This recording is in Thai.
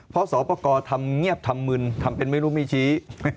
เพราะสอบประกอบทำเงียบทำมึนทำเป็นไม่รู้ไม่ชี้